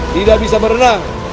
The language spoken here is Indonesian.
tidak bisa berenang